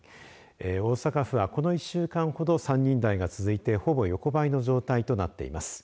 大阪府はこの１週間ほど３人台が続いてほぼ横ばいの状態となっています。